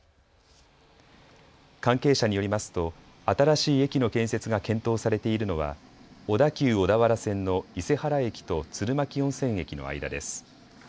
関係者によりますと新しい駅の建設が検討されているのは小田急小田原線の伊勢原駅と鶴巻温泉駅の間です。